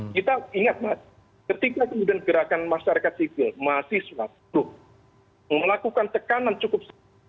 kita ingat mas ketika kemudian gerakan masyarakat sivil mahasiswa melakukan tekanan cukup